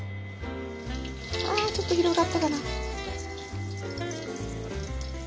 ああちょっと広がったかな。